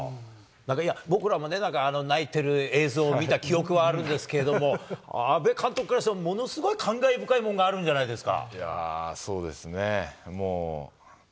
僕らもね、なんか泣いてる映像を見た記憶はあるんですけれども、阿部監督からしてもものすごい感慨深いものがあるんじゃないですいやー、そうですね。